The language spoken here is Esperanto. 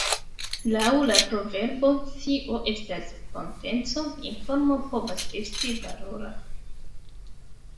Laŭ la proverbo "scio estas potenco" informo povas esti valora.